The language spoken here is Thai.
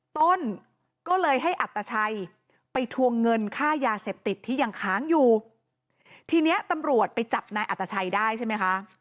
ต้นก็เลยให้อัตชัยไปทวงเงินค่ายาเสพติดที่ยังค้างอยู่ทีเนี้ยตำรวจไปจับนายอัตชัยได้ใช่ไหมคะ